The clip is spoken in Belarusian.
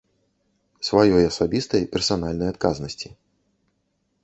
Сваёй асабістай, персанальнай адказнасці.